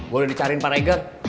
gue udah dicariin pak regar